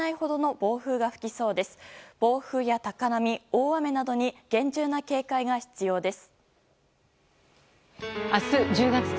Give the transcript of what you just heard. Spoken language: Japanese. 暴風や高波、大雨などに厳重な警戒が必要です。